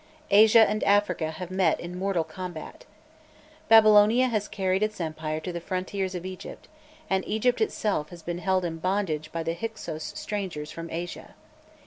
Asia and Africa have met in mortal combat. Babylonia has carried its empire to the frontiers of Egypt, and Egypt itself has been held in bondage by the Hyksôs strangers from Asia.